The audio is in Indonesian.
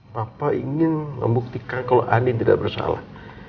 papa ingin membuktikan kalau andin tidak bersalah